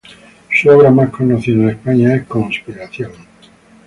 Su obra más conocida en España es "Conspiración.